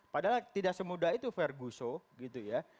padahal tidak semudah itu ferguso gitu ya